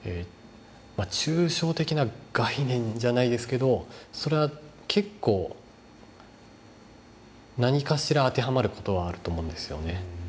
抽象的な概念じゃないですけどそれは結構何かしら当てはまる事はあると思うんですよね。